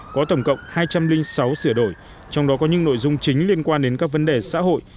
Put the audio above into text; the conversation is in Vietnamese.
có tổng cộng hai trăm linh sáu sửa đổi trong đó có những nội dung chính liên quan đến các vấn đề xã hội